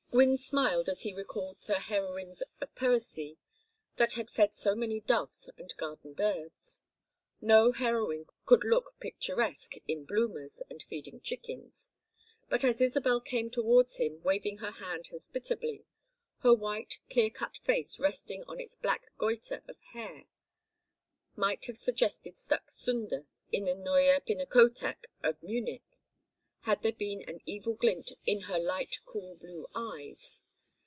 Gwynne smiled as he recalled the heroines of poesy that had fed so many doves and garden birds. No heroine could look picturesque in bloomers, and feeding chickens, but as Isabel came towards him waving her hand hospitably, her white clear cut face resting on its black goita of hair might have suggested Stuck's Sünde, in the Neue Pinakothek of Munich, had there been an evil glint in her light cool blue eyes.